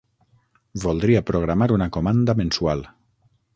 Voldria programar una comanda mensual.